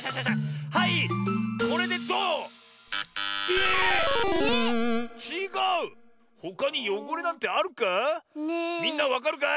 これでどう⁉ええっちがう⁉ほかによごれなんてあるか？